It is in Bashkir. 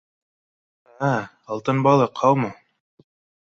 — Ә-ә, алтын балыҡ, һаумы